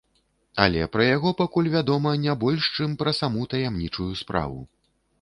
Але пра яго пакуль вядома не больш, чым пра саму таямнічую справу.